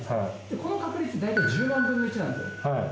この確率大体１０万分の１なんですよ。